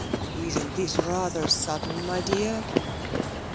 'Isn't this rather sudden, my dear?'